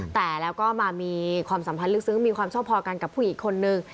แต่แล้วก็มามีความสัมพันธ์ลึกซึ้งมีความชอบพอกันกับผู้หญิงคนนึง